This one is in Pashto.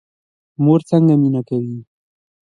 مور څنګه مینه کوي؟